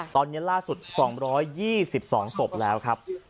ตอนนี้ล่าสุด๒๒ศพแล้วครับ